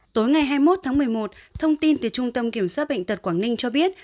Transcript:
tối ngày hai mươi một tháng một mươi một thông tin từ trung tâm kiểm soát bệnh tật quảng ninh cho biết